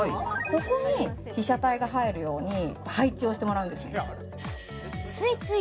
ここに被写体が入るように配置をしてもらうんですよ